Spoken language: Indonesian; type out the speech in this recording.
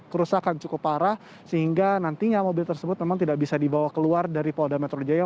kerusakan cukup parah sehingga nantinya mobil tersebut memang tidak bisa dibawa keluar dari polda metro jaya